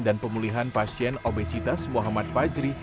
dan pemulihan pasien obesitas muhammad fajri